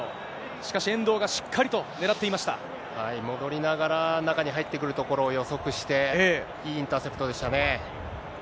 しかし、遠藤がしっかりと狙って戻りながら、中に入ってくるところを予測して、いいインターセプトでしたね。